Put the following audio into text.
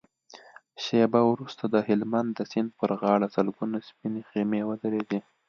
شېبه وروسته د هلمند د سيند پر غاړه سلګونه سپينې خيمې ودرېدې.